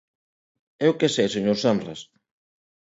¡Eu que sei, señor Senras!